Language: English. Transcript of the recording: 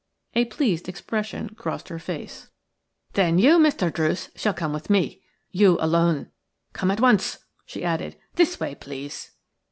A pleased expression crossed her face. "Then you, Mr. Druce, shall come with me. You alone. Come at once," she added, "This way, please."